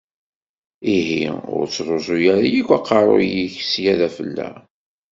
Ihi ur ttṛuẓu ara akk aqeṛṛu-k sya d afella!